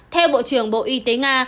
theo bộ trưởng bộ y tế nga